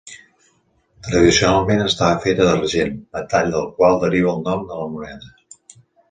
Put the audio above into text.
Tradicionalment estava feta d'argent, metall del qual deriva el nom de la moneda.